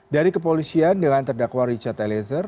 dari kepolisian dengan terdakwa richard eliezer